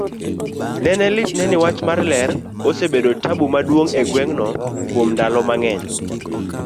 nene litne ni wach marler osebedo tabu maduong' egweng' no kuom ndalo mang'eny,